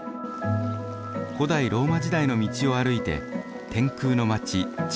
古代ローマ時代の道を歩いて天空の街チヴィタへ。